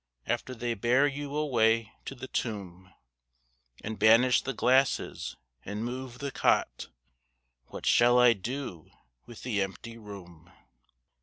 After they bear you away to the tomb, And banish the glasses, and move the cot, What shall I do with the empty room?